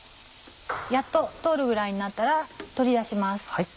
やっと通るぐらいになったら取り出します。